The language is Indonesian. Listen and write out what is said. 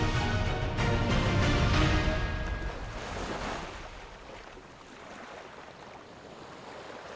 lihat dari jauh rasa sayang sayang